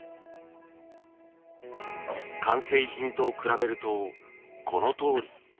完成品と比べるとこのとおり。